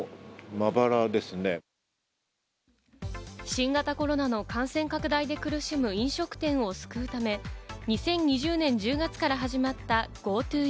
新型コロナの感染拡大で苦しむ飲食店を救うため、２０２０年１０月から始まったＧｏＴｏＥａｔ。